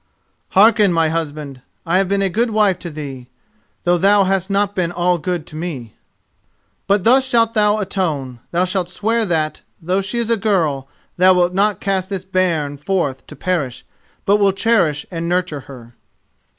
"Hearken, my husband. I have been a good wife to thee, though thou hast not been all good to me. But thus shalt thou atone: thou shalt swear that, though she is a girl, thou wilt not cast this bairn forth to perish, but wilt cherish and nurture her."